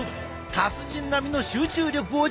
達人並みの集中力を実現！